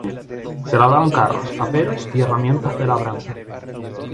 Se elaboran carros, aperos y herramientas de labranza.